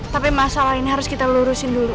tapi masalah ini harus kita lurusin dulu